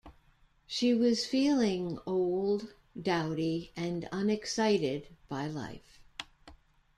She was feeling old, dowdy and unexcited by life.